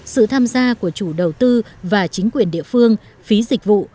sự tham gia của chủ đầu tư và chính quyền địa phương phí dịch vụ